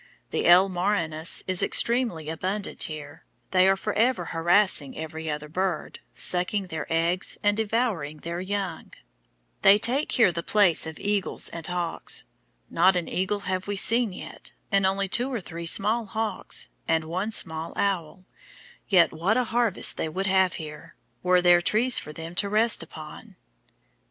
The L. marinus is extremely abundant here; they are forever harassing every other bird, sucking their eggs, and devouring their young; they take here the place of Eagles and Hawks; not an Eagle have we seen yet, and only two or three small Hawks, and one small Owl; yet what a harvest they would have here, were there trees for them to rest upon."